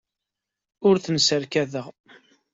Ur tent-sserkadeɣ.